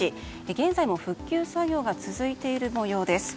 現在も復旧作業が続いている模様です。